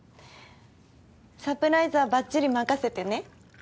サプライズはばっちり任せてね。